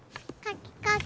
かきかき。